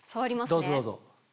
どうぞどうぞ。